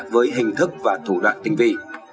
với hình thức và thủ đoạn tình vị